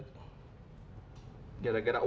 gara gara uang gitu